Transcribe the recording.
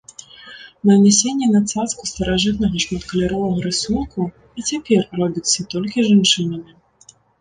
Нанясенне на цацку старажытнага шматкаляровага рысунку і цяпер робіцца толькі жанчынамі.